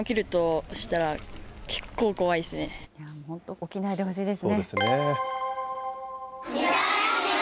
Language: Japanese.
起きないでほしいですね。